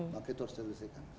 pak ketor selesaikan